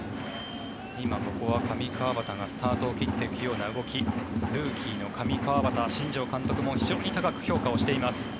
今、上川畑がスタートを切っていくような動きルーキーの上川畑新庄監督も非常に高く評価をしています。